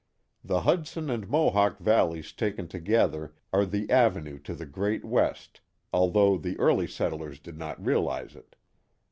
'' The Hudson and Mohawk valleys taken together are the avenue to the great West, although the early settlers did not realize it.